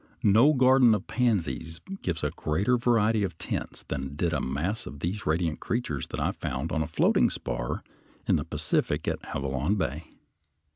No garden of pansies gives a greater variety of tints than did a mass of these radiant creatures that I found on a floating spar in the Pacific at Avalon Bay.